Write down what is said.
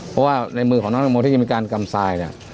เพราะว่าในมือของน้องตังโมที่จะมีการกำทรายเนี่ย